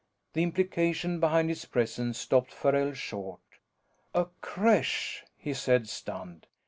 The implication behind its presence stopped Farrell short. "A creche," he said, stunned.